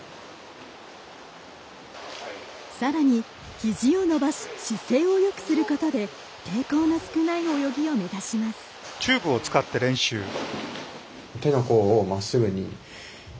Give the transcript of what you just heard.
さらに肘を伸ばし姿勢をよくすることで抵抗の少ない泳ぎを目指します。